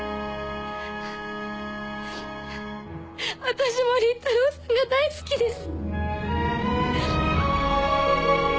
私も倫太郎さんが大好きです。